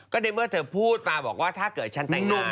ก็ในเมื่อเธอพูดมาบอกว่าถ้าเกิดฉันแต่งหน้า